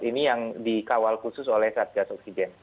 ini yang dikawal khusus oleh satgas oksigen